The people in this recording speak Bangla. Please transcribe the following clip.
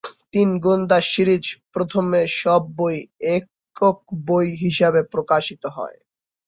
তিন গোয়েন্দা সিরিজ প্রথমে সব বই একক বই হিসেবে প্রকাশিত হত।